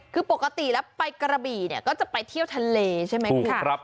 คือปกติแล้วไปกระบี่เนี่ยก็จะไปเที่ยวทะเลใช่ไหมคุณ